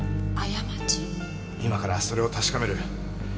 今からそれを確かめる。